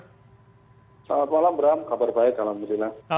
selamat malam bram kabar baik alhamdulillah